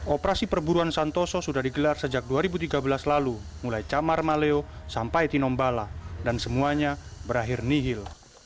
operasi perburuan santoso sudah digelar sejak dua ribu tiga belas lalu mulai camar maleo sampai tinombala dan semuanya berakhir nihil